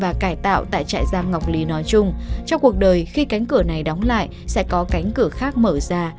và cải tạo tại trại giam ngọc lý nói chung trong cuộc đời khi cánh cửa này đóng lại sẽ có cánh cửa khác mở ra